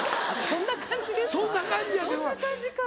そんな感じか。